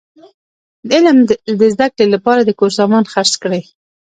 د علم د زده کړي له پاره د کور سامان خرڅ کړئ!